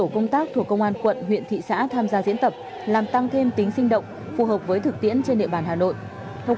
chúng ta sẽ trao những giải bạc giải bàng